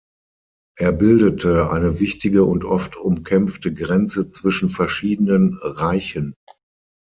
Er bildete eine wichtige und oft umkämpfte Grenze zwischen verschiedenen Reichen.